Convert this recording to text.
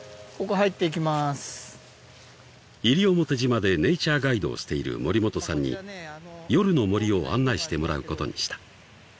［西表島でネイチャーガイドをしている森本さんに夜の森を案内してもらうことにした］